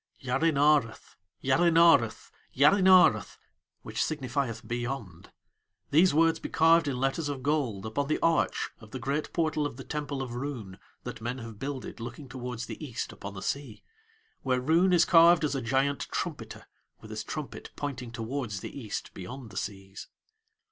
Yarinareth, Yarinareth, Yarinareth, which signifieth Beyond these words be carved in letters of gold upon the arch of the great portal of the Temple of Roon that men have builded looking towards the East upon the Sea, where Roon is carved as a giant trumpeter, with his trumpet pointing towards the East beyond the Seas.